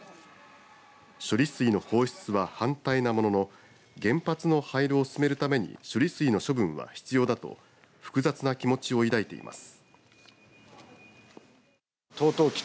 処理水の放出は反対なものの原発の廃炉を進めるために処理水の処分は必要だと複雑な気持ちを抱いています。